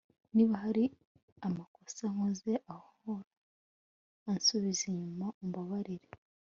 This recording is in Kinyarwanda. niba hari amakosa nkoze, ahora ansubiza inyuma umbabarire